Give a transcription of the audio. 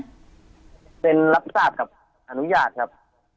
เป็นรับทราบกับอนุญาตครับ